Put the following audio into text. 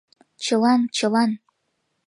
Чылан-чылан...